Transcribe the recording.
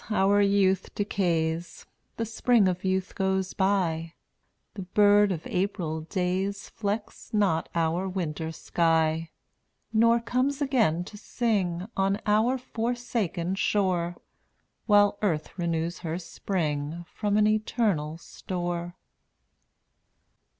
our youth decays, The spring of youth goes by, The bird of April days Flecks not our winter sky, Nor comes again to sing On our forsaken shore, While earth renews her spring From an eternal store.